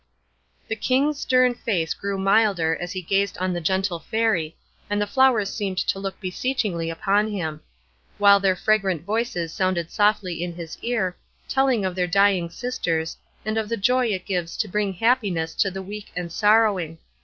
The King's stern face grew milder as he gazed on the gentle Fairy, and the flowers seemed to look beseechingly upon him; while their fragrant voices sounded softly in his ear, telling of their dying sisters, and of the joy it gives to bring happiness to the weak and sorrowing.